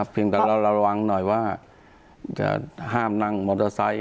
เพียงแต่ระวังหน่อยว่าห้ามนั่งมอเตอร์ไซต์